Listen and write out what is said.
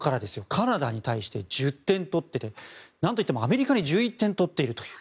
カナダに対して１０点取っていて何といってもアメリカに１１点取っているという。